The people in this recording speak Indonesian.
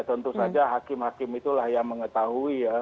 tentu saja hakim hakim itulah yang mengetahui ya